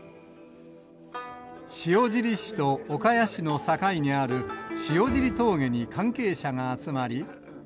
塩尻市と岡谷市の境にある塩尻峠に関係者が集まり。